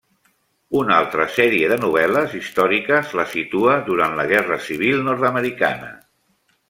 Una altra sèrie de novel·les històriques la situa durant la Guerra Civil Nord-americana.